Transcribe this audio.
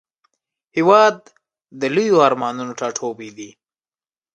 هېواد د لویو ارمانونو ټاټوبی دی.